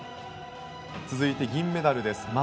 続いて、銀メダルです。